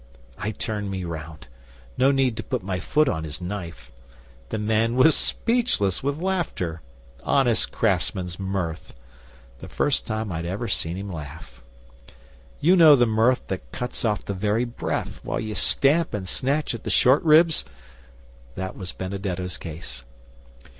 I turned me round. No need to put my foot on his knife. The man was speechless with laughter honest craftsman's mirth. The first time I'd ever seen him laugh. You know the mirth that cuts off the very breath, while ye stamp and snatch at the short ribs? That was Benedetto's case.